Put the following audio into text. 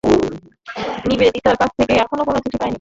নিবেদিতার কাছ থেকে এখনও কোন চিঠি পাইনি।